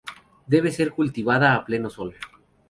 Debe ser cultivada a pleno sol.